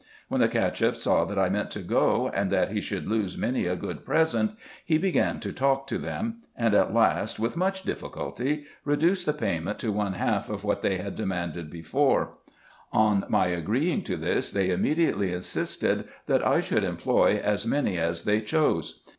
When the Cacheff saw that I meant to go, and that he should lose many a good present, he began to talk to them ; and at last, with much difficulty, reduced the payment to one half of what they had demanded before. On !)4 RESEARCHES AND OPERATIONS my agreeing to this, they immediately insisted, that I should employ as many as they chose.